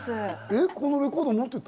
こんなレコード持ってた？